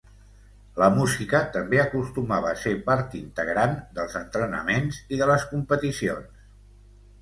La música també acostumava a ser part integrant dels entrenaments i de les competicions.